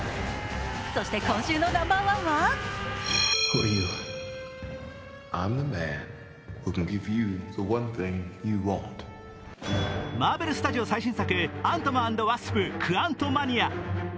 そして今週のナンバー１はマーベルスタジオ最新作「アントマン＆ワスプ：クアントマニア」。